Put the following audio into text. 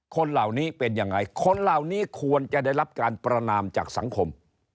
คนเหล่านี้เป็นยังไงคนเหล่านี้ควรจะได้รับการประนามจากสังคม